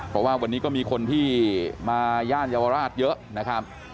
เพราะว่าวันนี้ก็มีคนที่มาย่านเยาวราชเยอะนะครับ